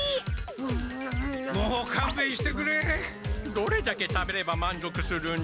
どれだけ食べればまんぞくするんだ？